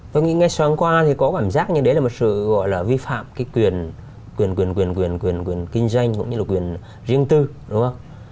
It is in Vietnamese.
tôi nghĩ ngay sáng qua thì có cảm giác như đấy là một sự gọi là vi phạm cái quyền quyền quyền quyền quyền quyền quyền kinh doanh cũng như là quyền riêng tư đúng không